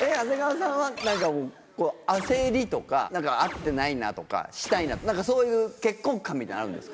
長谷川さんは何か焦りとか何かあってないなとかしたいなとかそういう結婚観みたいなのあるんですか？